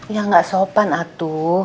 ya nggak sopan atu